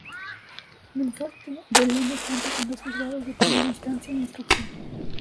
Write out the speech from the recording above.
Monforte de Lemos cuenta con dos Juzgados de Primera Instancia e Instrucción.